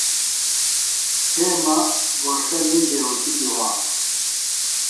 تھےۡ مہ گھوݜٹہ نِم بیہُوشیۡ کیۡ وھاتوۡ